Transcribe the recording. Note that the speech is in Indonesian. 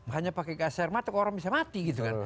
hanya pakai kasermatuk orang bisa mati gitu kan